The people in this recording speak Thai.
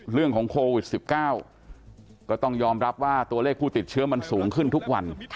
เรื่องของโควิด๑๙ก็ต้องยอมรับว่าตัวเลขผู้ติดเชื้อมันสูงขึ้นทุกวัน